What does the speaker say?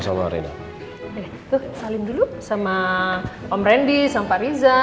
salim dulu sama om rendy sama pak riza